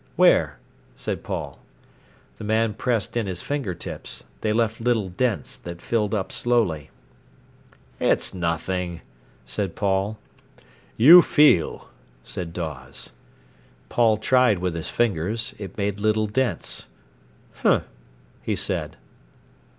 "Where?" said Paul. The man pressed in his finger tips. They left little dents that filled up slowly. "It's nothing," said Paul. "You feel," said Dawes. Paul tried with his fingers. It made little dents. "H'm!" he said.